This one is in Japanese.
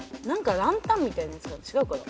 ランタンみたいなやつかな？